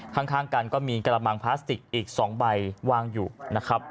ข้างกันก็มีกระมังพลาสติกอีก๒ใบวางอยู่นะครับ